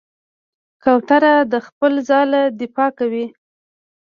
کوتره د خپل ځاله دفاع کوي.